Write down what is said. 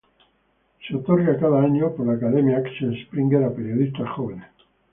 Es otorgado cada año por la Academia Axel Springer a periodistas jóvenes.